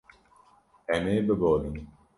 Em ê biborin.